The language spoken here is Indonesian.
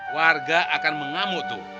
warga akan mengamuk tuh